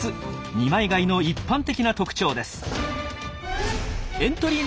二枚貝の一般的な特徴です。